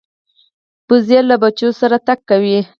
وزې له بچو سره تګ کوي